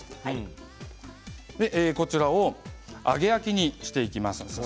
こちらを揚げ焼きにしていきましょう。